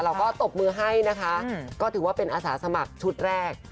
ตบมือให้นะคะก็ถือว่าเป็นอาสาสมัครชุดแรก